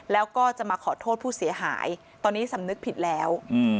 แล้วก็จะมาขอโทษผู้เสียหายตอนนี้สำนึกผิดแล้ว